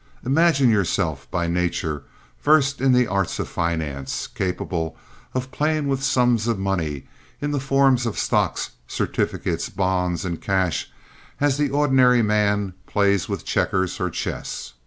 Imagine yourself by nature versed in the arts of finance, capable of playing with sums of money in the forms of stocks, certificates, bonds, and cash, as the ordinary man plays with checkers or chess.